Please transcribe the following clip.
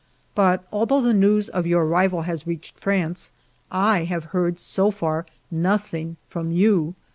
But although the news of your arrival has reached France, I have so far heard nothing from you.